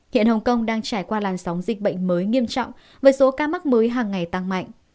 hiện hồng kông đang trải qua làn sóng dịch bệnh mới nghiêm trọng với số ca mắc mới hàng ngày tăng mạnh